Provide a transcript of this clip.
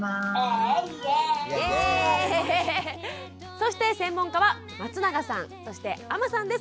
そして専門家は松永さんそして阿真さんです。